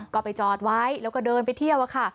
ก็ไปจอดไว้แล้วก็เดินไปเที่ยวค่ะ